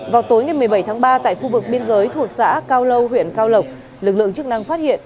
vào tối ngày một mươi bảy tháng ba tại khu vực biên giới thuộc xã cao lâu huyện cao lộc lực lượng chức năng phát hiện